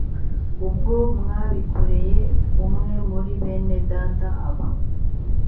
ubwo mwabikoreye umwe muri bene data aba